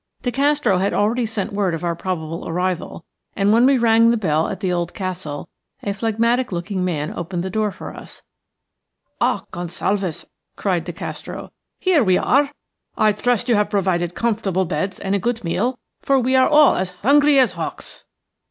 De Castro had already sent word of our probable arrival, and when we rang the bell at the old castle a phlegmatic looking man opened the door for us. "A PHLEGMATIC LOOKING MAN OPENED THE DOOR FOR US." "Ah, Gonsalves," cried De Castro, "here we are! I trust you have provided comfortable beds and a good meal, for we are all as hungry as hawks."